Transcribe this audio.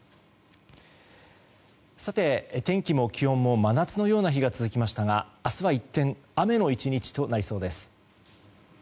天気も気温も真夏のような日が続きましたが明日は一転雨の１日となりそうです。